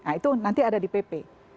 nah itu nanti ada di pp